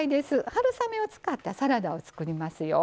春雨を使ったサラダを作りますよ。